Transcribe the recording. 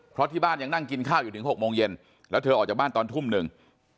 เพราะที่บ้านยังนั่งกินข้าวอยู่ถึง๖โมงเย็นแล้วเธอออกจากบ้านตอนทุ่มหนึ่ง